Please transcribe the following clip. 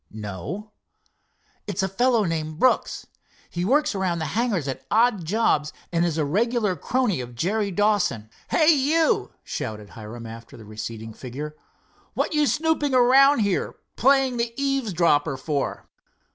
"No." "It's a fellow named Brooks. He works around the hangars at odd jobs, and is a regular crony of Jerry Dawson. Hey, you," shouted Hiram after the receding figure, "what you snooping around here, playing the eavesdropper, for?"